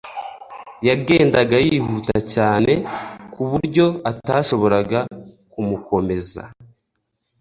Yagendaga yihuta cyane ku buryo atashoboraga kumukomeza